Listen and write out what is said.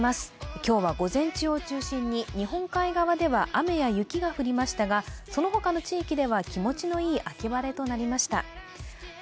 今日は午前中を中心に日本海側では雨や雪が降りましたがその他の地域では気持ちのいい秋晴れとなりました。